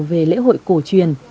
về lễ hội cổ truyền